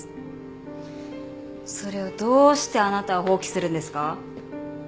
それをどうしてあなたは放棄するんですか？